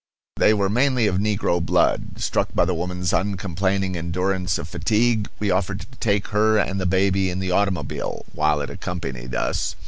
They were mainly of negro blood. Struck by the woman's uncomplaining endurance of fatigue, we offered to take her and the baby in the automobile, while it accompanied us.